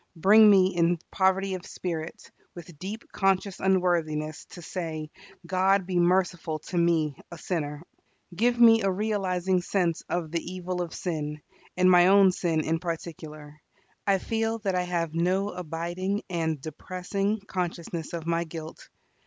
Bring me in poverty of Spirit, with deep conscious unworthiness, to say, "God be merciful to me a sinner." Give me a realizing sense of the evil of sin, and my own sin in particular. I feel that I have no abiding and depressing consciousness of my guilt.